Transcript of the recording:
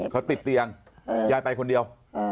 เขาติดเตียงยายไปคนเดียว